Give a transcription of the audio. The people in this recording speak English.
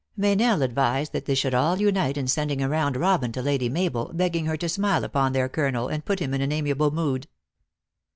Meynell advised that they should all unite in sending a round robbin to Lady Mabel, beg ging her to smile upon their colonel, and put him in an amiable mood.